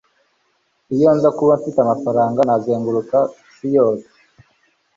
iyo nza kuba mfite amafaranga, nazengurukaga isi yose